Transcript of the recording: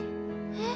えっ？